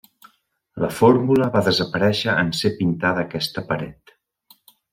La fórmula va desaparèixer en ser pintada aquesta paret.